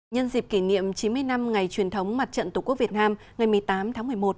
nhân dịp kỷ niệm chín mươi năm ngày truyền thống mặt trận tổ quốc việt nam ngày một mươi tám tháng một mươi một